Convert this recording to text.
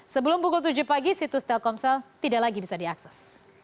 sebelum pukul tujuh pagi situs telkomsel tidak lagi bisa diakses